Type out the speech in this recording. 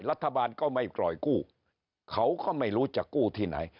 รัฐบาลก็ไม่ปล่อยกู้เขาก็ไม่รู้จะกู้ที่ไหน